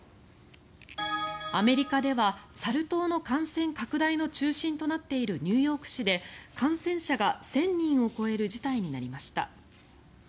アメリカではサル痘の感染拡大の中心となっているニューヨーク市で感染者が１０００人を超える事態になりました。